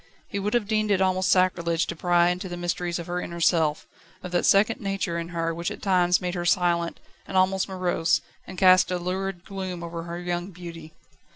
He would have deemed it almost sacrilege to pry into the mysteries of her inner self, of that second nature in her which at times made her silent, and almost morose, and cast a lurid gloom over her young beauty.